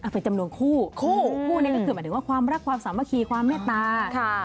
เป็นจำนวนคู่คู่นี้ก็คือหมายถึงว่าความรักความสามัคคีความเมตตา